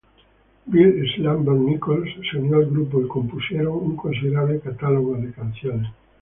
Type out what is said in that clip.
Bill "Slumber" Nichols se unió al grupo y compusieron un considerable catálogo de canciones.